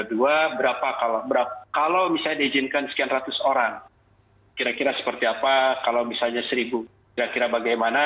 dua berapa kalau berapa kalau misalnya diizinkan sekian ratus orang kira kira seperti apa kalau misalnya seribu kira kira bagaimana